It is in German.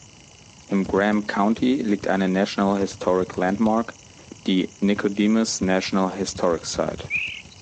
Im Graham County liegt eine National Historic Landmark, die Nicodemus National Historic Site.